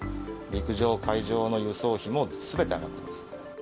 陸上、海上の輸送費もすべて上がってます。